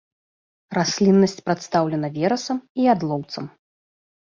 Расліннасць прадстаўлена верасам і ядлоўцам.